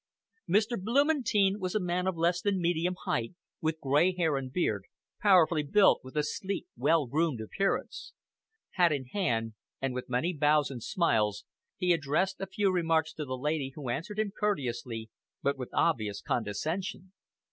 Mr. Blumentein was a man of less than medium height, with grey hair and beard, powerfully built and with a sleek, well groomed appearance. Hat in hand, and with many bows and smiles, he addressed a few remarks to the lady, who answered him courteously, but with obvious condescension.